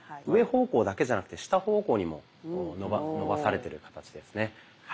上方向だけじゃなくて下方向にも伸ばされてる形ですね。